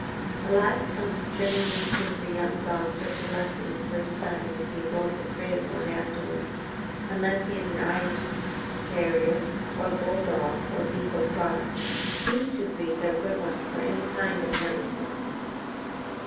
A live skunk generally gives a young dog such a lesson the first time that he is always afraid of one afterwards, unless he is an Irish terrier or bull dog or beagle crossed. These two breeds are good ones for any kind of night hunting.